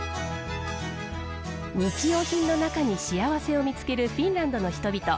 日用品の中に幸せを見つけるフィンランドの人々。